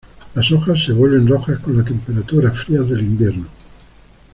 Las hojas se vuelven rojas con las temperaturas frías del invierno.